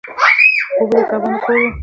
اوبه د کبانو کور دی.